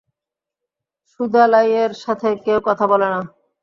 সুদালাইয়ের সাথে কেউ কথা বলে না।